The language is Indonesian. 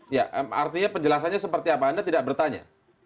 ya artinya penjelasannya seperti apa anda tidak bertanya